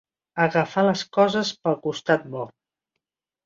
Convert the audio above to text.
Agafar les coses pel costat bo.